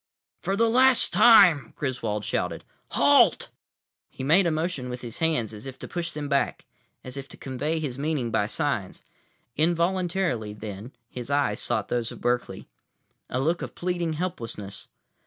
"For the last time," Griswold shouted, "halt!" He made a motion with his hands, as if to push them back, as if to convey his meaning by signs. Involuntarily, then, his eyes sought those of Berkeley. A look of pleading, helplessness.